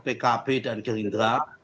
pkb dan gerindra